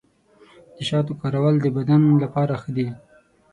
د شاتو کارول د بدن لپاره ښه دي.